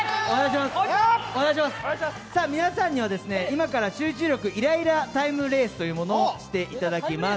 皆さんには今から「集中力イライラタイムレース」というものをしていただきます。